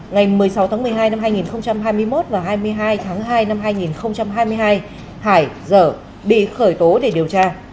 ngày một mươi sáu tháng một mươi hai năm hai nghìn hai mươi một và hai mươi hai tháng hai năm hai nghìn hai mươi hai hải dở bị khởi tố để điều tra